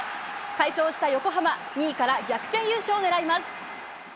快勝した横浜、２位から逆転優勝を狙います。